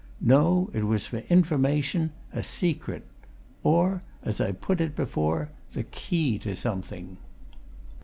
no, it was for information, a secret! Or, as I put it before, the key to something."